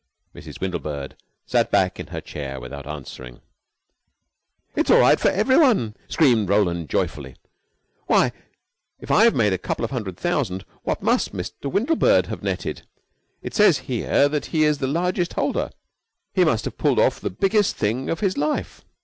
Mrs. Windlebird sat back in her chair without answering. "It's all right for every one," screamed Roland joyfully. "Why, if I've made a couple of hundred thousand, what must Mr. Windlebird have netted. It says here that he is the largest holder. He must have pulled off the biggest thing of his life."